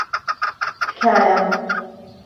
تکایە.